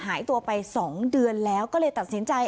หายตัวไป๒เดือนแล้วก็เลยตัดสินใจ